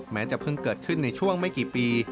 จะเพิ่งเกิดขึ้นในช่วงไม่กี่ปี